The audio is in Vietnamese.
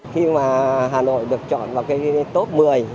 khi mà hà nội được chọn vào cái top một mươi